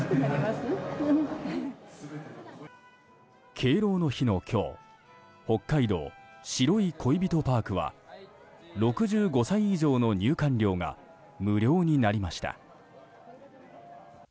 敬老の日の今日北海道、白い恋人パークは６５歳以上の入館料が無料になりました。